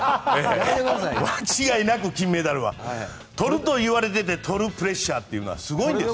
間違いなく金メダルは取ると言われてて取るプレッシャーというのはすごいんです。